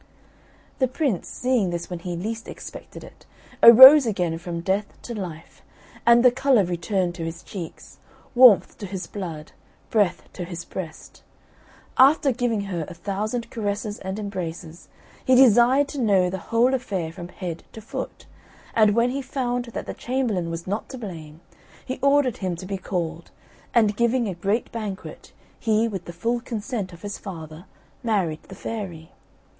The Prince, seeing this when he least expected it, arose again from death to life, and the colour returned to his cheeks, warmth to his blood, breath to his breast. After giving her a thousand caresses and embraces, he desired to know the whole affair from head to foot; and when he found that the chamberlain was not to blame, he ordered him to be called, and giving a great banquet, he, with the full consent of his father, married the fairy.